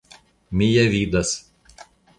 Mi ja vidas.